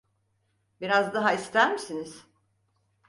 Biraz daha ister misiniz?